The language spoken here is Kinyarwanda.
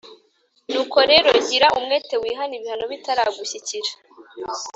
Nuko rero gira umwete wihane ibihano bitaragushyikira